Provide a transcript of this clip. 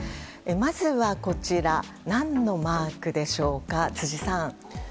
まず、こちら何のマークでしょうか、辻さん。